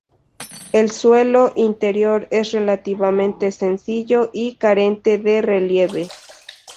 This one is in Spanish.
El suelo interior es relativamente sencillo y carente de relieve.